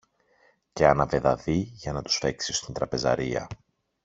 και άναβε δαδί, για να τους φέξει ως την τραπεζαρία.